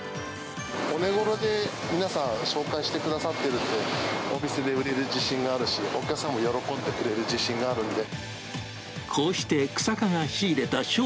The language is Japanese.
お値頃で皆さん、紹介してくださっているので、お店で売れる自信があるし、お客さんも喜んでくれる自信があるんで。